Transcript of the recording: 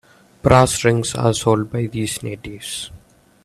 Brass rings are sold by these natives.